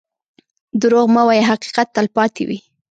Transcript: دروغ مه وایه، حقیقت تل پاتې وي.